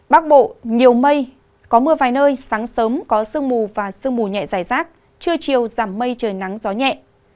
bắc bộ nhiều mây có mưa vài nơi sáng sớm có sương mù và sương mù nhẹ dài rác trưa chiều giảm mây trời nắng gió nhẹ